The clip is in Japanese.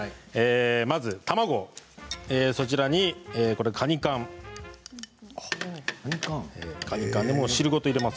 まず卵、こちらに、カニ缶汁ごと入れます。